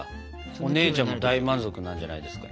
お姉ちゃんも大満足なんじゃないですかね？